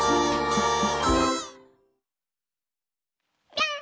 ぴょん！